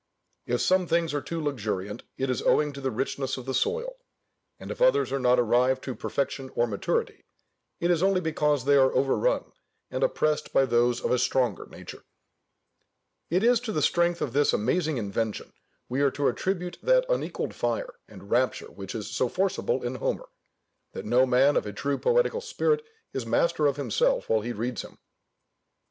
If some things are too luxuriant it is owing to the richness of the soil; and if others are not arrived to perfection or maturity, it is only because they are overrun and oppressed by those of a stronger nature. It is to the strength of this amazing invention we are to attribute that unequalled fire and rapture which is so forcible in Homer, that no man of a true poetical spirit is master of himself while he reads him.